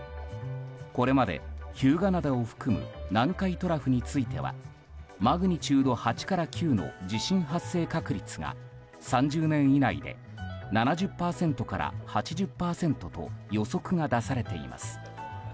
これまで日向灘を含む南海トラフについてはマグニチュード８から９の地震発生確率が３０年以内で７０％から８０％と予測が出されています。